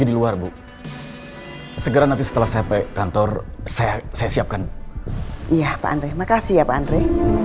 di luar bu segera nanti setelah sampai kantor saya saya siapkan iya pak andre makasih ya pak antri